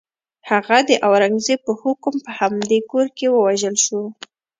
هغه د اورنګزېب په حکم په همدې کور کې ووژل شو.